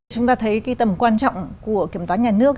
chúng ta thấy cái tầm quan trọng của kiểm toán nhà nước